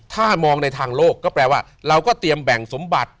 ถ้ามองในทางโลกก็แปลว่าเราก็เตรียมแบ่งสมบัติ